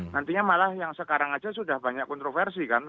nantinya malah yang sekarang aja sudah banyak kontroversi kan